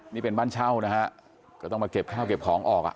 นี่เป็นบ้านเช่านะคะก็ต้องมาเก็บของออก